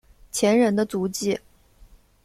前人的足迹